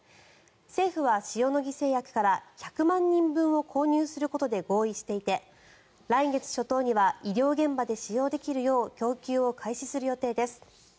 政府は塩野義製薬から１００万人分を購入することで合意していて来月初頭には医療現場で使用できるよう供給を開始する予定です。